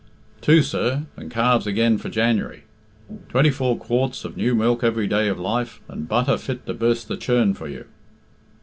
"Two, sir, and calves again for January. Twenty four quarts of new milk every day of life, and butter fit to burst the churn for you."